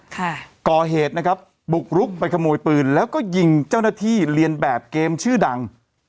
ก่อเหตุนะครับบุกรุกไปขโมยปืนแล้วก็ยิงเจ้าหน้าที่เรียนแบบเกมชื่อดัง